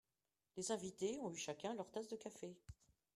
Les invités ont eu chacun leur tasse de café.